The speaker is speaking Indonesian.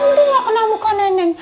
udah gak kena muka neneng